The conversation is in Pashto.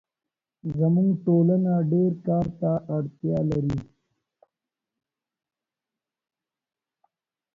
زموږ ټولنه ډېرکار ته اړتیا لري